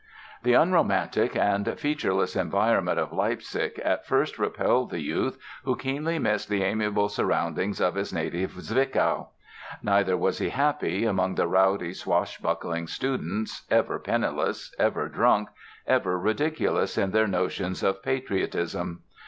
The unromantic and featureless environment of Leipzig at first repelled the youth, who keenly missed the amiable surroundings of his native Zwickau. Neither was he happy among the rowdy, swashbuckling students, ever penniless, ever drunk, ever ridiculous in their notions of "patriotism".